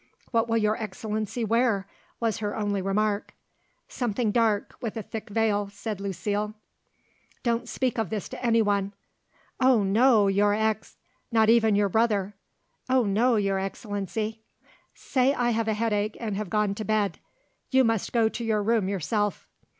"What will Your Excellency wear?" was her only remark. "Something dark, with a thick veil," said Lucile. "Don't speak of this to anyone." "Oh no, Your Ex " "Not even to your brother." "Oh, no, Your Excellency." "Say I have a headache and have gone to bed. You must go to your room yourself."